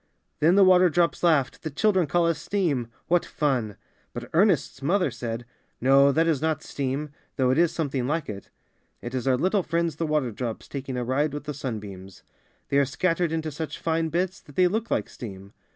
Then the water drops laughed, '^The chil dren call us steam, — what fun!" But Ernestos mother said: ^^No, that is not steam, though it is something like it. It is our little friends the water drops taking a ride with the sunbeams. They are scattered into such fine bits that they look like steam.